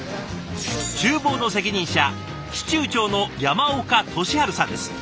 ちゅう房の責任者司厨長の山岡利春さんです。